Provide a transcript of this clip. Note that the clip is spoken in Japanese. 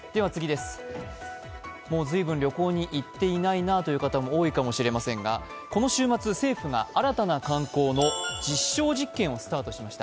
もう随分旅行に行っていないなという方も多いかもしれませんがこの週末、政府が新たな観光の実証実験をスタートしました。